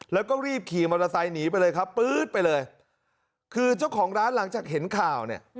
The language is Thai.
แล้วก็รีบขี่มอเตอร์ไซค์หนีไปเลยครับปื๊ดไปเลยคือเจ้าของร้านหลังจากเห็นข่าวเนี่ย